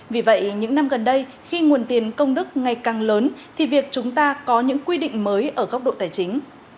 vì vậy những năm gần đây khi nguồn tiền công đức ngày càng lớn thì việc chúng ta có những quy định mới ở góc độ tài chính